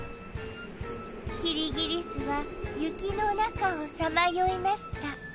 キリギリスは雪の中をさまよいました。